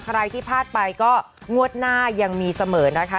ใครที่พลาดไปก็งวดหน้ายังมีเสมอนะคะ